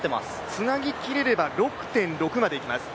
つなぎきれれば６．６までいきます。